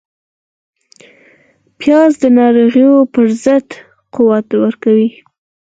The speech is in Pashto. پیاز د ناروغیو پر ضد قوت ورکوي